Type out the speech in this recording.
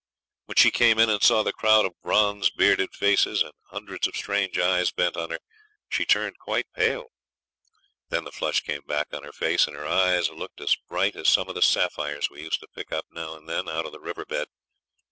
When she came in and saw the crowd of bronze bearded faces and hundreds of strange eyes bent on her, she turned quite pale. Then the flush came back on her face, and her eyes looked as bright as some of the sapphires we used to pick up now and then out of the river bed.